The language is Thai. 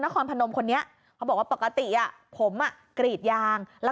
นฆอนพนมคนเนี้ยพอบอกว่าปกติอ่ะผมอ่ะเกลียดยางแล้ว